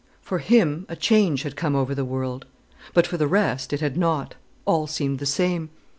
For him a change had come over the world. But for the rest it had not—all seemed the same.